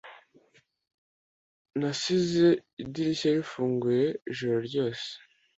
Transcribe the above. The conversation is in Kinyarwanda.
Nasize idirishya rifunguye ijoro ryose